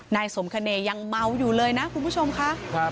นายสมคเนยยังเมาอยู่เลยนะคุณผู้ชมค่ะ